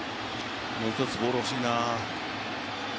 もう一つボール欲しいな。